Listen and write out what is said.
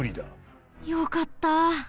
よかった！